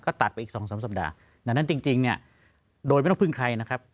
ก็ตัดไปอีก๒๓สัปดาห์ดังนั้นจริงเนี่ยโดยไม่ต้องพึ่งใครนะครับ